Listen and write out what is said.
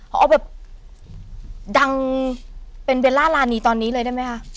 เอาแบบดังเป็นเบลล่ารานีตอนนี้เลยได้ไหมคะ